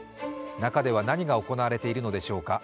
中では何が行われているのでしょうか。